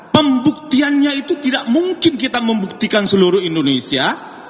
pembuktiannya itu tidak mungkin kita membuktikan seluruh indonesia